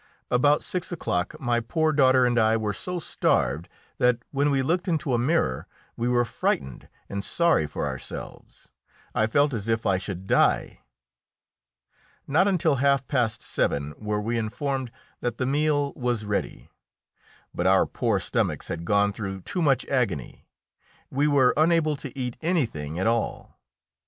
About six o'clock my poor daughter and I were so starved that, when we looked into a mirror, we were frightened and sorry for ourselves. I felt as if I should die. Not until half past seven were we informed that the meal was ready; but our poor stomachs had gone through too much agony; we were unable to eat anything at all.